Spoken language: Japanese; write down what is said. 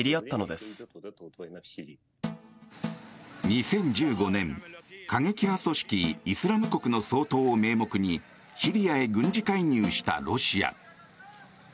２０１５年過激派組織イスラム国の掃討を名目にシリアへ軍事介入したロシア。